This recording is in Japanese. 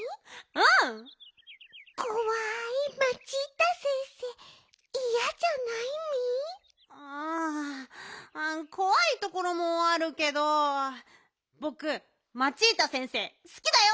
ううんこわいところもあるけどぼくマチータ先生すきだよ！